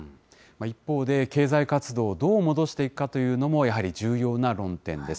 一方で、経済活動をどう戻していくかというのもやはり重要な論点です。